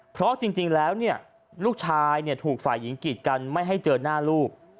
เพราะจริงแล้วลูกชายถูกฝ่ายหญิงกีดกันไม่ให้เจอหน้าลูก